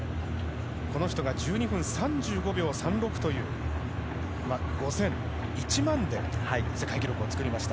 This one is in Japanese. この人が１２分３５秒３６という５０００、１万で世界記録を作りました。